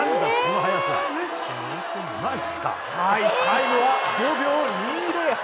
タイムは５秒２０８！